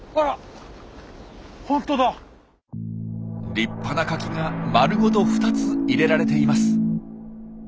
立派なカキが丸ごと２つ入れられています。